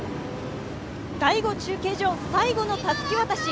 第５中継所、最後のたすき渡し。